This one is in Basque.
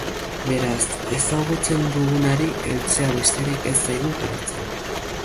Beraz, ezagutzen dugunari heltzea besterik ez zaigu geratzen.